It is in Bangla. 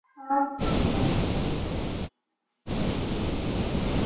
আমার ফোনটা দরকার।